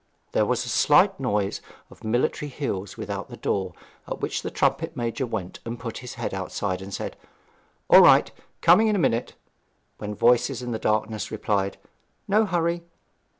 There was a slight noise of military heels without the door, at which the trumpet major went and put his head outside, and said, 'All right coming in a minute,' when voices in the darkness replied, 'No hurry.'